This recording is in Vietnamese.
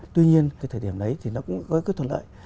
tuy nhiên cái thời điểm đấy thì nó cũng có cái thuận lợi